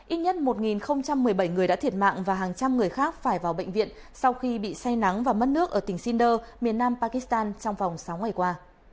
ít nhất một một mươi bảy người đã thiệt mạng và hàng trăm người khác phải vào bệnh viện sau khi bị say nắng và mất nước ở tỉnh shinders miền nam pakistan trong vòng sáu ngày qua